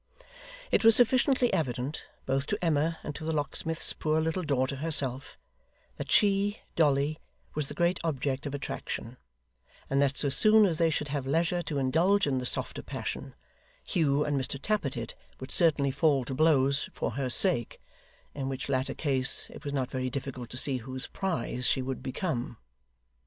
It was sufficiently evident, both to Emma and to the locksmith's poor little daughter herself, that she, Dolly, was the great object of attraction; and that so soon as they should have leisure to indulge in the softer passion, Hugh and Mr Tappertit would certainly fall to blows for her sake; in which latter case, it was not very difficult to see whose prize she would become.